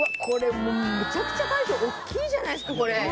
これもうめちゃくちゃ大将大きいじゃないですかこれ。